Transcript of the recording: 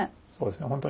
そうですね